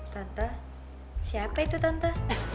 tante siapa itu tante